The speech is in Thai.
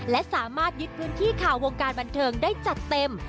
และสามารถยึดพื้นที่ข่าววงการบันเทิงได้จัดเต็ม